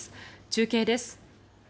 中継です。